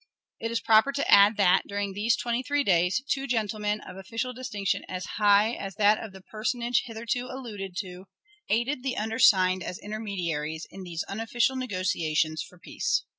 It is proper to add that, during these twenty three days, two gentlemen, of official distinction as high as that of the personage hitherto alluded to, aided the undersigned as intermediaries in these unofficial negotiations for peace.